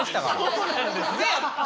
そうなんですね。